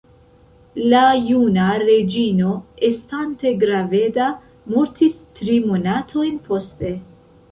La juna reĝino, estante graveda, mortis tri monatojn poste.